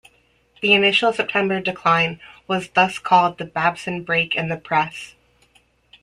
The initial September decline was thus called the "Babson Break" in the press.